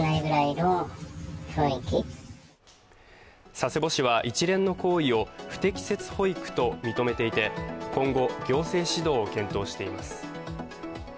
佐世保市は一連の行為を不適切保育と認めていて今後、行政指導を検討しています。